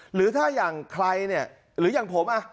หรือถ้าอย่างใครเนี่ยหรืออย่างผม